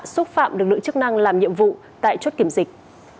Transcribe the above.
xúc phạm được lựa chức năng làm nhiệm vụ tại chốt kiểm dịch